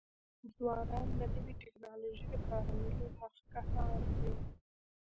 ځوانان د نوې ټکنالوژۍ د کارولو مخکښان دي.